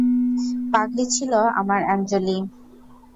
পাগলি ছিল আমার আঞ্জলি।